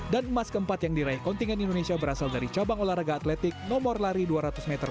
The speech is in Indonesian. dan emas keempat yang diraih kontingen indonesia berasal dari cabang olahraga atletik nomor lari dua ratus meter